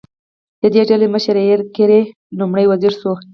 د دې ډلې مشر ایرل ګرې لومړی وزیر شو.